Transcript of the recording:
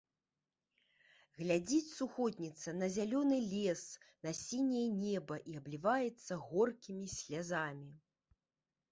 Глядзіць сухотніца на зялёны лес, на сіняе неба і абліваецца горкімі слязамі.